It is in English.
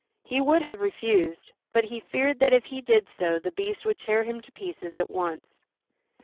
He would have refused, but he feared that if he did so the Beast would tear him to pieces at once.